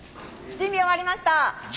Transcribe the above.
「準備終わりました」。